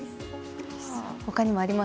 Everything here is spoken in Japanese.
他にもあります